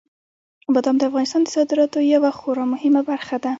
بادام د افغانستان د صادراتو یوه خورا مهمه برخه ده.